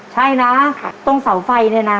ใช่นะว่าต้องเสาไฟ